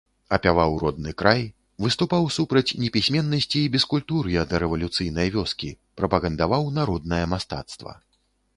Апяваў родны край, выступаў супраць непісьменнасці і бескультур'я дарэвалюцыйнай вёскі, прапагандаваў народнае мастацтва.